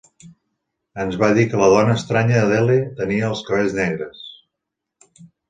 Ens va dir que la dona estranya Adele tenia els cabells negres.